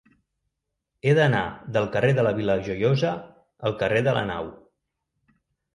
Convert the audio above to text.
He d'anar del carrer de la Vila Joiosa al carrer de la Nau.